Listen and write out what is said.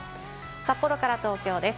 札幌から東京です。